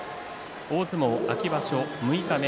大相撲秋場所六日目。